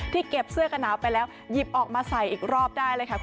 เก็บเสื้อกระหนาวไปแล้วหยิบออกมาใส่อีกรอบได้เลยค่ะ